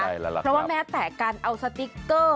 เพราะว่าแม้แต่การเอาสติกเกอร์